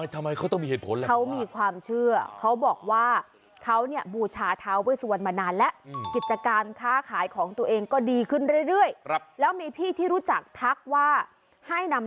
แต่เอาน้ำอ้อยมาค่ะพี่ดาวพุทธชนะ